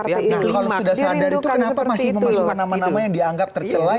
kalau sudah sadar itu kenapa masih memasukkan nama nama yang dianggap tercelai